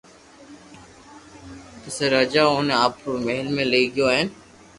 پسو راجا اوني آپرو مھل ۾ لئي گيو ھين